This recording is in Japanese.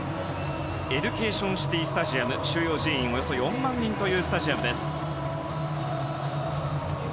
エデュケーションシティ・スタジアム、収容人員がおよそ４万人というスタジアムです。